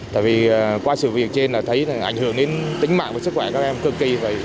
tại vì qua sự việc trên là thấy ảnh hưởng đến tính mạng và sức khỏe các em cực kỳ